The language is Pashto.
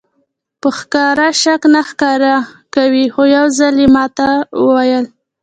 په ښکاره شک نه ښکاره کوي خو یو ځل یې ماته وویل.